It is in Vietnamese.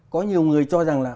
có nhiều người cho rằng là